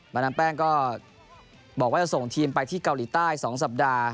ดามแป้งก็บอกว่าจะส่งทีมไปที่เกาหลีใต้๒สัปดาห์